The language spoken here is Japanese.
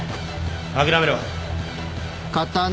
諦めろ。